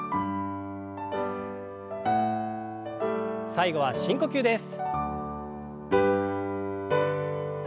最後は深呼吸です。